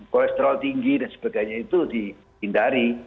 kolesterol tinggi dan sebagainya itu dihindari